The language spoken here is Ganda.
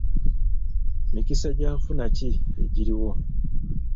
Mikisa gya nfuna ki egiriwo?